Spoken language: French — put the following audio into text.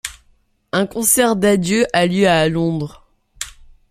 Un concert d'adieu a lieu à Londres.